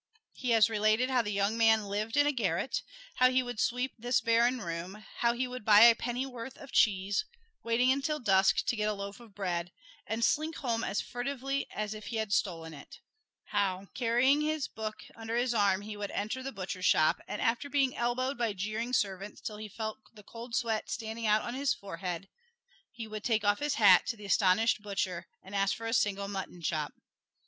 He has related how the young man lived in a garret; how he would sweep this barren room; how he would buy a pennyworth of cheese, waiting until dusk to get a loaf of bread, and slink home as furtively as if he had stolen it; how carrying his book under his arm he would enter the butcher's shop, and after being elbowed by jeering servants till he felt the cold sweat standing out on his forehead, he would take off his hat to the astonished butcher and ask for a single mutton chop.